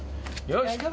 よし！